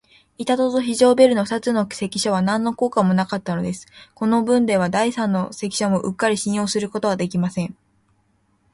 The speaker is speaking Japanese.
板戸と非常ベルの二つの関所は、なんの効果もなかったのです。このぶんでは、第三の関所もうっかり信用することはできません。